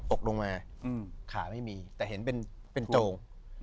ตกลงมาขาไม่มีแต่เห็นเป็นโจง